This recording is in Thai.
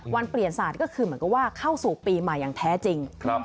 เปลี่ยนศาสตร์ก็คือเหมือนกับว่าเข้าสู่ปีใหม่อย่างแท้จริง